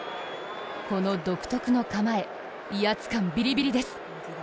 この独特の構え、威圧感ビリビリです。